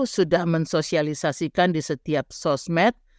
sudah mensosialisasikan di setiap sosmed